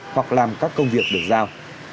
hoặc làm các công việc được giao